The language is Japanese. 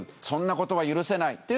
そんなことは許せない。